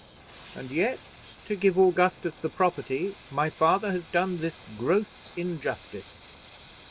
And yet, to give Augustus the property, my father has done this gross injustice."